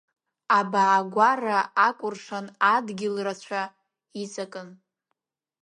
Абаагәара акәыршан адгьыл рацәа иҵакын.